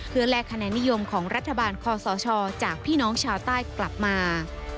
แลกคะแนนนิยมของรัฐบาลคอสชจากพี่น้องชาวใต้กลับมา